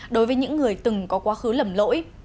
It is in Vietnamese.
đối với những người từng có quá khứ lầm lỗi